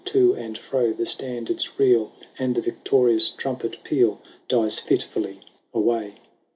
To and fro the standards reel ; And the victorious trumpet peal Dies fitfully away.